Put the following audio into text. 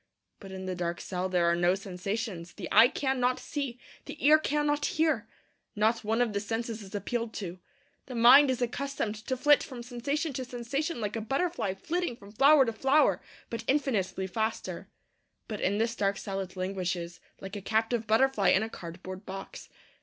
But in the dark cell there are no sensations. The eye cannot see; the ear cannot hear. Not one of the senses is appealed to. The mind is accustomed to flit from sensation to sensation like a butterfly flitting from flower to flower, but infinitely faster. But in this dark cell it languishes like a captive butterfly in a cardboard box.